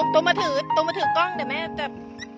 ต้นมาถือกล้องเดี๋ยวแม่จะ